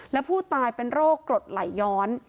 และผู้ตายเป็นโรคกรดไหลย้อน